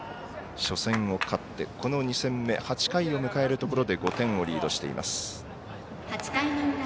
初戦を勝って、この２戦目８回を迎えるところで５点をリードしています。